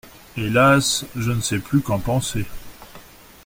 Hélas… je ne sais plus qu’en penser…